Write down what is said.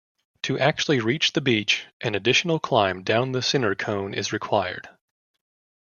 To actually reach the beach, an additional climb down the cinder cone is required.